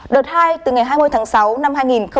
đợt hai từ ngày hai mươi tháng sáu năm hai nghìn một mươi bảy